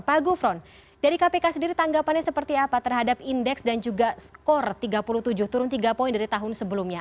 pak gufron dari kpk sendiri tanggapannya seperti apa terhadap indeks dan juga skor tiga puluh tujuh turun tiga poin dari tahun sebelumnya